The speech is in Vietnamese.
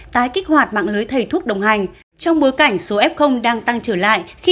tái kích hoạt mạng lưới thầy thuốc đồng hành trong bối cảnh số f đang tăng trở lại khi